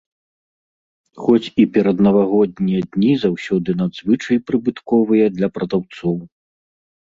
Хоць і пераднавагоднія дні заўсёды надзвычай прыбытковыя для прадаўцоў.